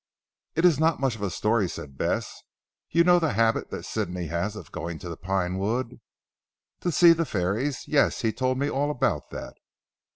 "It is not much of a story," said Bess. "You know the habit that Sidney has of going to the Pine Wood?" "To see the fairies? Yes, he told me all about that."